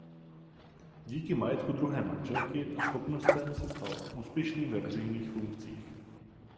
Díky majetku druhé manželky a schopnostem se stal úspěšným ve veřejných funkcích.